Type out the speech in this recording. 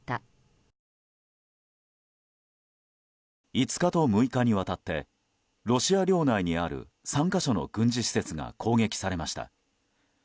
５日と６日にわたってロシア領内にある３か所の軍事施設が攻撃されました。